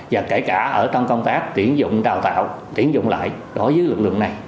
và kể cả ở trong công tác tiến dụng đào tạo tiến dụng lại đối với lực lượng này